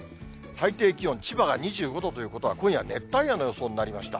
最低気温、千葉が２５度ということは、今夜は熱帯夜の予想になりました。